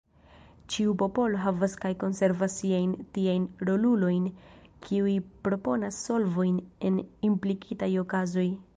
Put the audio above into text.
Ĉiu popolo havas kaj konservas siajn tiajn rolulojn kiuj proponas solvojn en implikitaj okazoj.